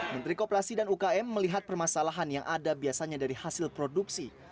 menteri kooperasi dan ukm melihat permasalahan yang ada biasanya dari hasil produksi